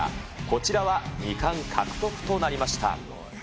こちらは２冠獲得となりました。